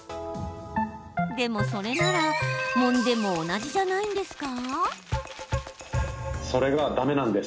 でも、それならもんでも同じじゃないんですか？